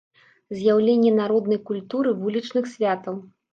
З'яўленне народнай культуры вулічных святаў.